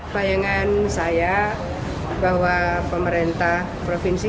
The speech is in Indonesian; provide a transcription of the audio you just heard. bayangan saya bahwa pemerintah provinsi